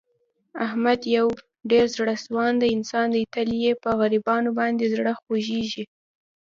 احمد یو ډېر زړه سواندی انسان دی. تل یې په غریبانو باندې زړه خوګېږي.